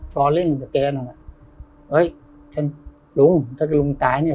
พอเล่นกับแกหน่อยเฮ้ยฉันลุงถ้าเกิดลุงตายเนี่ย